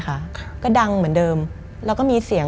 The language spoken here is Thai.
มันกลายเป็นรูปของคนที่กำลังขโมยคิ้วแล้วก็ร้องไห้อยู่